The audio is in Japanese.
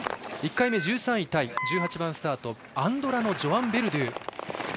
１回目１３位タイ１８番スタート、アンドラのジョアン・ベルドゥ。